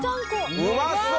うまそう！わ！